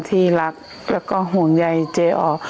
ที่รักแล้วก็ห่วงใยเจ๊อ๋อ